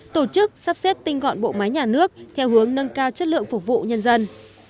tổ chức sắp xếp tinh gọn bộ máy nhà nước theo hướng nâng cao chất lượng phục vụ nhân dân